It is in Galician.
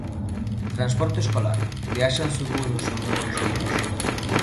Transporte escolar: viaxan seguros os nosos fillos?